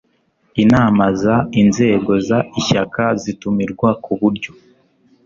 inama z inzego z ishyaka zitumirwa ku buryo